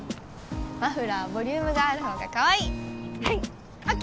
マフラーボリュームがある方がかわいいはいＯＫ